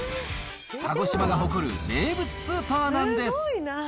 鹿児島が誇る名物スーパーなんです。